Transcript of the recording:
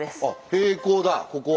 平行だここは。